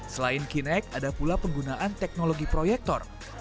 selain kinek ada pula penggunaan teknologi proyektor